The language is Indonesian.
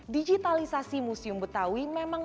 digitalisasi musim betawi memang memperbaikkan